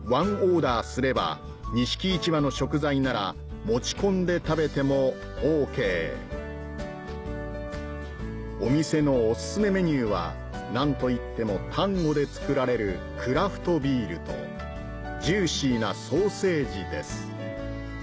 オーダーすれば錦市場の食材なら持ち込んで食べてもＯＫお店のおすすめメニューは何といっても丹後で造られるクラフトビールとジューシーなソーセージです